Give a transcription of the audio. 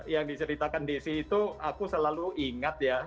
yang diceritakan desi itu aku selalu ingat ya